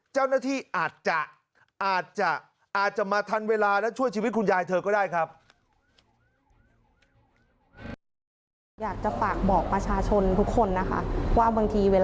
เจ้าหน้าที่อาจจะอาจจะมาทันเวลาและช่วยชีวิตคุณยายเธอก็ได้ครับ